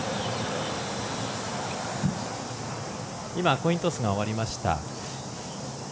コイントスが終わりました。